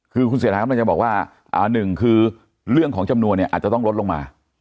คือคุณเสียดาครับมันจะบอกว่า๑คือเรื่องของจำนวนนี้อาจจะต้องลดลงมา